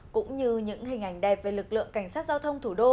cũng như những hình ảnh đẹp về lực lượng cảnh sát giao thông thủ đô